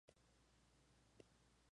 Prefectura de Zona: Pilar.